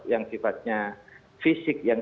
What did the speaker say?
yang sifatnya fisik yang